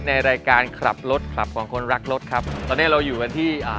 ในรายการขับรถขับของคนรักรถครับตอนเนี้ยเราอยู่กันที่อ่า